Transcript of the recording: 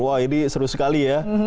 wah ini seru sekali ya